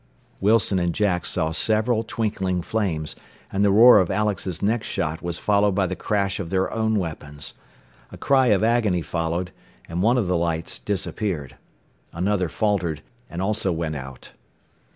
Wilson and Jack saw several twinkling flames, and the roar of Alex's next shot was followed by the crash of their own weapons. A cry of agony followed, and one of the lights disappeared. Another faltered, and also went out.